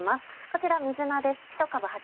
こちら水菜です。